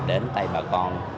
đến tay bà con